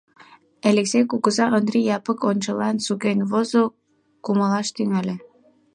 Элексей кугыза Ондри Япык ончылан сукен возо, кумалаш тӱҥале.